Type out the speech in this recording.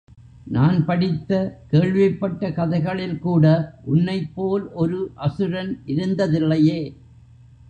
நான் படித்த, கேள்விப்பட்ட கதைகளில் கூட உன்னைப்போல் ஒரு அசுரன் இருந்ததில்லையே!